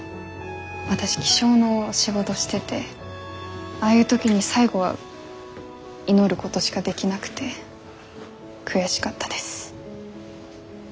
私気象の仕事しててああいう時に最後は祈ることしかできなくて悔しかったです。